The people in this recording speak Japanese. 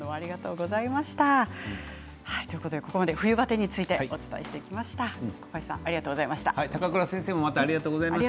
ここまで冬バテについてお伝えしてきました。